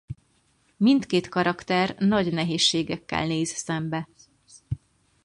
Mindkét karakter nagy nehézségekkel néz szembe.